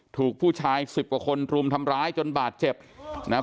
ถูกผู้ชายสิบกว่าคนรุมทำร้ายจนบาดเจ็บนะฮะ